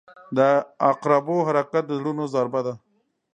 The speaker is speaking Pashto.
• د عقربو حرکت د زړونو ضربه ده.